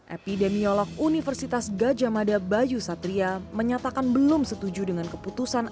epidemiolog universitas gajah mada bayu satria menyatakan belum setuju dengan keputusan